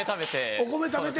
お米食べて。